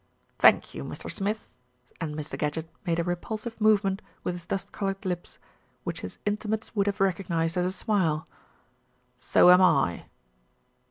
"Thank you, Mr. Smith," and Mr. Gadgett made a repulsive movement with his dust coloured lips, which his intimates would have recognised as a smile. "So am I."